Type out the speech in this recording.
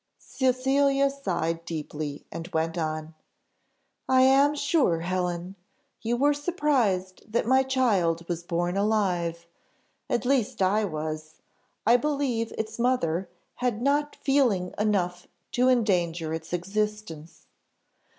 Cecilia sighed deeply and went on. "I am sure, Helen, you were surprised that my child was born alive; at least I was. I believe its mother had not feeling enough to endanger its existence.